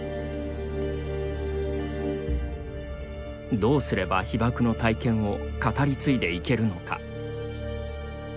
どうすれば、被爆の体験を語り継いでいけるのか。